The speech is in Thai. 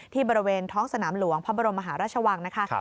บริเวณท้องสนามหลวงพระบรมมหาราชวังนะคะ